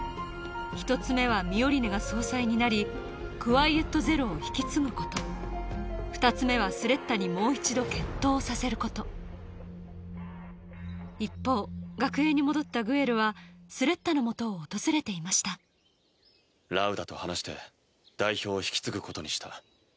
１つ目はミオリネが総裁になりクワイエット・ゼロを引き継ぐこと２つ目はスレッタにもう一度決闘をさせること一方学園に戻ったグエルはスレッタのもとを訪れていましたラウダと話して代表を引き継ぐことにした。